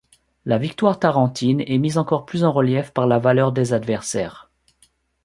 La victoire tarentine est mise encore plus en relief par la valeur des adversaires.